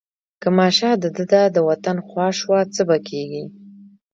که ماشه د ده د وطن خوا شوه څه به کېږي.